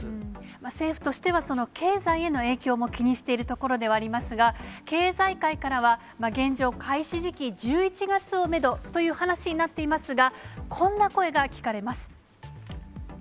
政府としては、経済への影響も気にしているところではありますが、経済界からは、現状、開始時期１１月をメドという話になっていますが、こんな声が聞かれます。